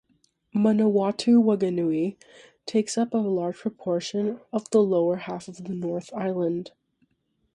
Manawatu-Wanganui takes up a large proportion of the lower half of the North Island.